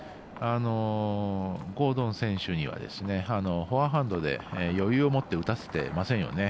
ゴードン選手にはフォアハンドで余裕を持って打たせてませんよね。